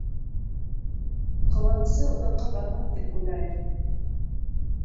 Ҡыуанысы оҙаҡҡа бармаҫ тип уйлайым.